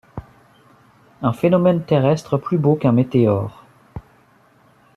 Un phénomène terrestre plus beau qu’un météore!